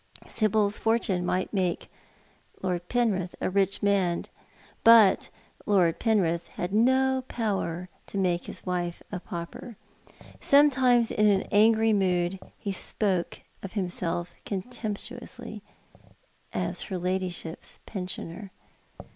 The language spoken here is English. Sibyl's fortune might make Lord Penrith a rich man, but Lord Penrith had no power to make his wife a pauper. Sometimes in an angry mood ho spoke of himself contemptuously as her ladyship's pensioner.